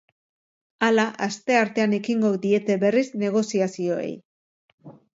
Hala, asteartean ekingo diete berriz negoziazioei.